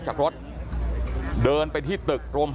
แต่ว่าวินนิสัยดุเสียงดังอะไรเป็นเรื่องปกติอยู่แล้วครับ